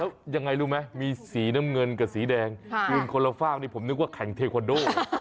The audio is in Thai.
แล้วยังไงรู้ไหมมีสีน้ำเงินกับสีแดงยืนคนละฝากนี่ผมนึกว่าแข่งเทควันโด